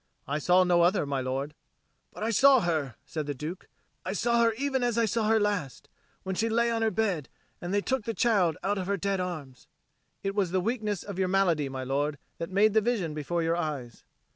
"I saw no other, my lord." "But I saw her," said the Duke. "I saw her even as I saw her last, when she lay on her bed and they took the child out of her dead arms." "It was the weakness of your malady, my lord, that made the vision before your eyes."